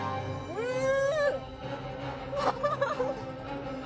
うん！